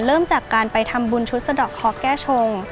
เริ่มจากการไปทำบุญชุดสะดอกเคาะแก้ชง